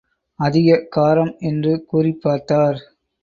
அதிக காரம் என்று கூறிப் பார்த்தார்.